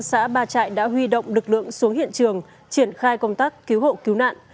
xã ba trại đã huy động lực lượng xuống hiện trường triển khai công tác cứu hộ cứu nạn